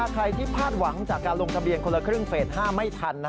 ใครที่พลาดหวังจากการลงทะเบียนคนละครึ่งเฟส๕ไม่ทัน